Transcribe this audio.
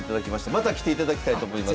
また来ていただきたいと思います。